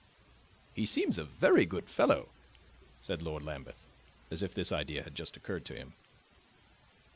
"He seems a very good fellow," said Lord Lambeth, as if this idea had just occurred to him.